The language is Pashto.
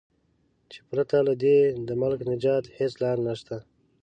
چې پرته له دې د ملک د نجات هیڅ لار نشته.